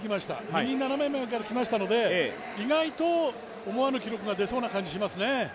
右斜め前から来ましたので意外と思わぬ記録が出そうな気がしますね。